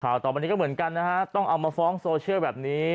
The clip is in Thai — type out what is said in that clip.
ต่อไปนี้ก็เหมือนกันนะฮะต้องเอามาฟ้องโซเชียลแบบนี้